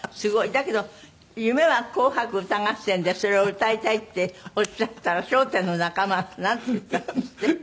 だけど夢は『紅白歌合戦』でそれを歌いたいっておっしゃったら『笑点』の仲間はなんて言ったんですって？